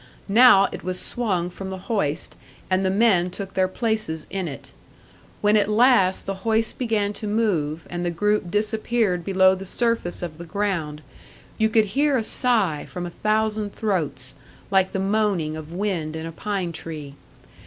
Now it was swung from the hoist, and the men took their places in it. When at last the hoist began to move, and the group disappeared below the surface of the ground, you could hear a sigh from a thousand throats, like the moaning of wind in a pine tree.